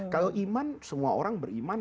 kalau iman semua orang beriman